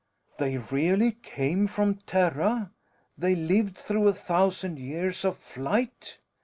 "They really came from Terra? They lived through a thousand years of flight?"